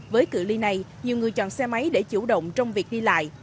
với cửa ly này nhiều người chọn xe máy để chủ động trong việc đi lại